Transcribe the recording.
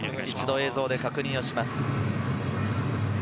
映像で確認します。